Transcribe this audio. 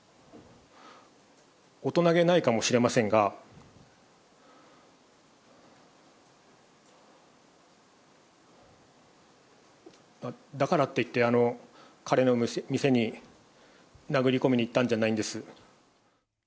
大人げないかもしれませんが、だからっていって、彼の店に殴り込みに行ったんじゃないんです。